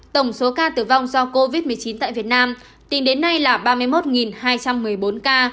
tổng số ca tử vong do covid một mươi chín tại việt nam tính đến nay là ba mươi một hai trăm một mươi bốn ca